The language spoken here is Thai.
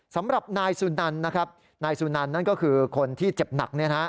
สำหรับนายสุนันนะครับนายสุนันนั่นก็คือคนที่เจ็บหนัก